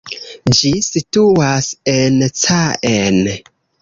Ĝi situas en Caen.